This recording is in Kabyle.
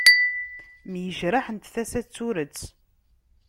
Myejraḥent tasa d turet.